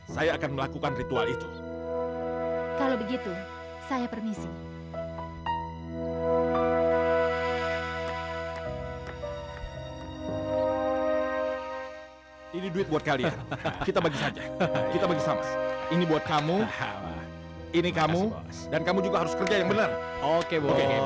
sampai jumpa di video selanjutnya